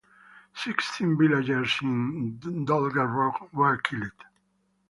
Sixteen villagers in Dolgarrog were killed.